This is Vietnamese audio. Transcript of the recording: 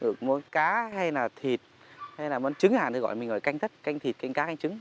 ở mối cá hay là thịt hay là món trứng chẳng hạn thì gọi là canh thất canh thịt canh cá canh trứng